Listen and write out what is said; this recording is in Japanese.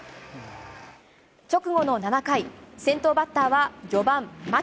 直後の７回、先頭バッターは４番・牧。